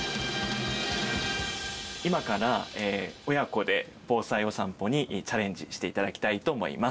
今から親子で防災お散歩にチャレンジして頂きたいと思います。